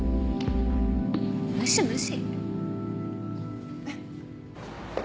無視無視。